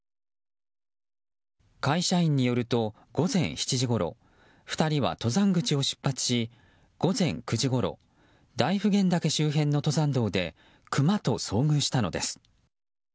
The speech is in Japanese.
会社員によると午前７時ごろ２人は登山口を出発し午前９時ごろ大普賢岳周辺の登山道でクマと遭遇したのです。